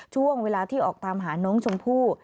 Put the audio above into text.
ช่วงเวลาที่ออกตามหาน้องชมพู่